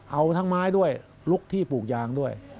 เอาทั้งไม้ด้วยลุกที่ปลูกยางด้วย